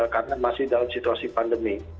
karena masih dalam situasi pandemi